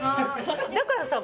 だからさ